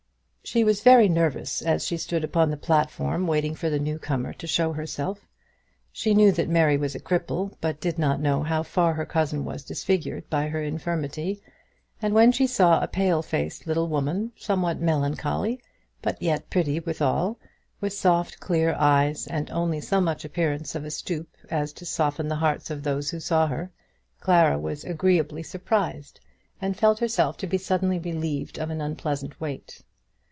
She was very nervous as she stood upon the platform waiting for the new comer to show herself. She knew that Mary was a cripple, but did not know how far her cousin was disfigured by her infirmity; and when she saw a pale faced little woman, somewhat melancholy, but yet pretty withal, with soft, clear eyes, and only so much appearance of a stoop as to soften the hearts of those who saw her, Clara was agreeably surprised, and felt herself to be suddenly relieved of an unpleasant weight.